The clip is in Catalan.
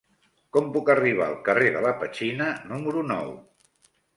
Com puc arribar al carrer de la Petxina número nou?